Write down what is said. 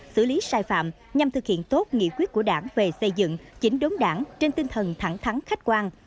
xử lý sai phạm nhằm thực hiện tốt nghị quyết của đảng về xây dựng chỉnh đốn đảng trên tinh thần thẳng thắng khách quan